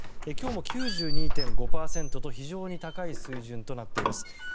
今日も９２．５％と非常に高い水準となっています。